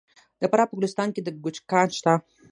د فراه په ګلستان کې د ګچ کان شته.